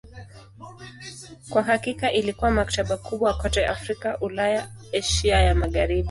Kwa hakika ilikuwa maktaba kubwa kote Afrika, Ulaya na Asia ya Magharibi.